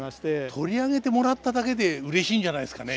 取り上げてもらっただけでうれしいんじゃないですかね